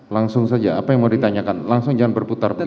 langsung saja apa yang mau ditanyakan langsung jangan berputar putar